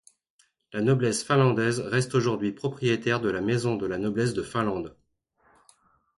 La noblesse finlandaise reste aujourd'hui propriétaire de la maison de la noblesse de Finlande.